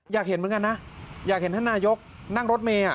อยากเห็นเหมือนกันนะอยากเห็นท่านนายกนั่งรถเมย์